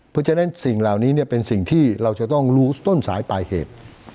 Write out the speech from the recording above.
เพราะฉะนั้นสิ่งเหล่านี้เป็นสิ่งที่เราจะต้องรู้ต้นสายปลายเหตุ